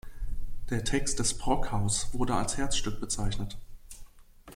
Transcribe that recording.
Der Text des "Brockhaus" wurde als Herzstück bezeichnet.